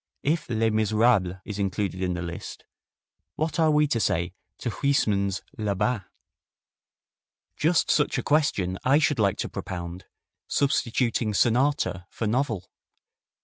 If "Les Miserables" is included in the list, what are we to say to Huysmans' "La Bas"? Just such a question I should like to propound, substituting sonata for novel.